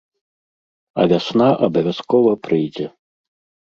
А вясна абавязкова прыйдзе.